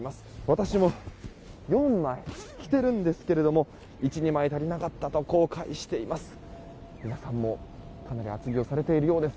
私も、４枚着てるんですが１２枚足りなかったと後悔しています。